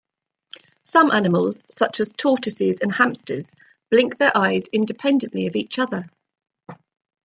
Some animals, such as tortoises and hamsters, blink their eyes independently of each other.